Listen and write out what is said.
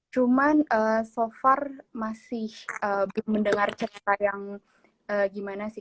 cuman so far masih belum mendengar cerita yang gimana sih